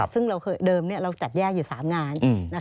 ซึ่งเดิมเราจัดแยกอยู่๓งาน